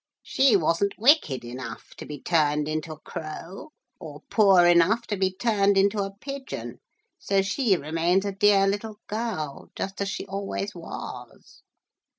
'She wasn't wicked enough to be turned into a crow, or poor enough to be turned into a pigeon, so she remains a dear little girl, just as she always was.'